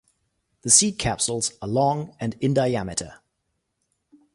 The seed capsules are long and in diameter.